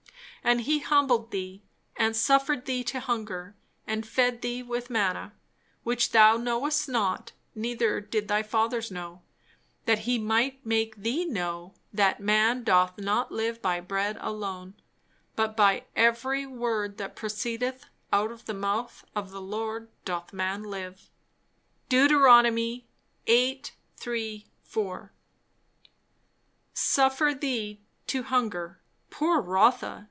And he humbled thee, and suffered thee to hunger, and fed thee with manna, which thou knewest not, neither did thy fathers know, that he might make thee know that man doth not live by bread only, but by every word that proceedeth out of the mouth of the Lord doth man live." De. viii. 3, 4. "Suffered thee to hunger." Poor Rotha!